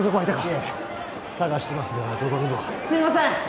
いえ捜していますがどこにもすいません！